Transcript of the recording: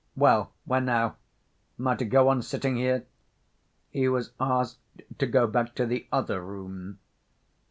Well, where now? Am I to go on sitting here?" He was asked to go back to the "other room."